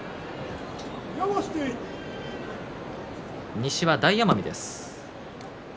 西は大奄美です。